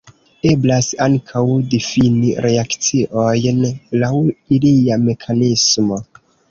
Eblas ankaŭ difini reakciojn laŭ ilia mekanismo.